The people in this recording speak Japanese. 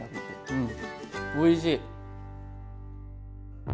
うんおいしい！